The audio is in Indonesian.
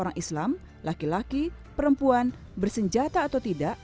orang islam laki laki perempuan bersenjata atau tidak